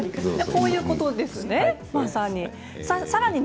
こういうことですね、まさに。